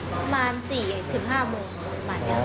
ประมาณ๔ถึง๕โมงหลายวัน